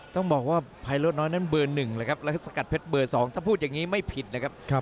ต้องบอกว่าไพโรดน้อยนั้นเบอร์๑เลยครับแล้วก็สกัดเพชรเบอร์๒ถ้าพูดอย่างนี้ไม่ผิดนะครับ